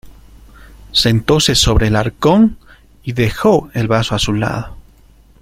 sentóse sobre el arcón, y dejó el vaso a su lado: